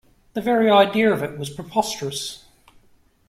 The very idea of it was preposterous.